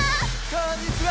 こんにちは！